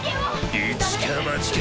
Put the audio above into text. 一か八か。